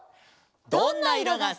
「どんな色がすき」。